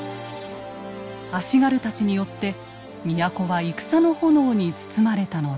足軽たちによって都は戦の炎に包まれたのです。